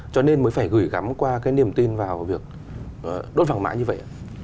cho nên mới phải gửi gắm qua cái niềm tin vào việc đốt vàng mã như vậy ạ